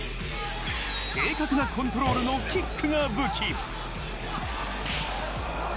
正確なコントロールのキックが武器。